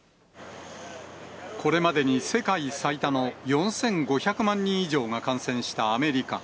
これまでに世界最多の４５００万人以上が感染したアメリカ。